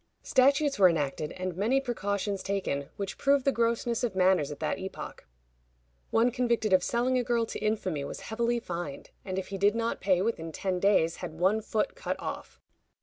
Statutes were enacted, and many precautions taken, which prove the grossness of manners at that epoch. One convicted of selling a girl to infamy was heavily fined, and if he did not pay within ten days had one foot cut off.